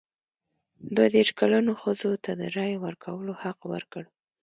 دوه دیرش کلنو ښځو ته د رایې ورکولو حق ورکړ.